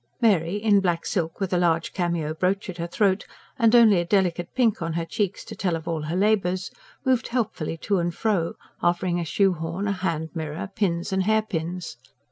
Mary, in black silk with a large cameo brooch at her throat, and only a delicate pink on her cheeks to tell of all her labours, moved helpfully to and fro, offering a shoe horn, a hand mirror, pins and hairpins.